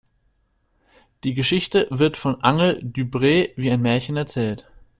Die Geschichte wird von Angel Dupree wie ein Märchen erzählt.